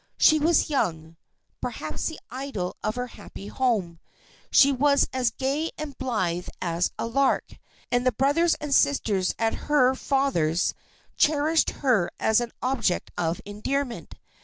She was young—perhaps the idol of her happy home; she was as gay and blithe as the lark, and the brothers and sisters at her father's cherished her as an object of endearment.